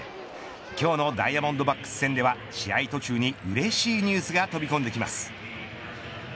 今日のダイヤモンドバックス戦では試合途中にうれしいニュースが飛び込んできます。